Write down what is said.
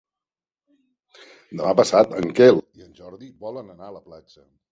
Demà passat en Quel i en Jordi volen anar a la platja.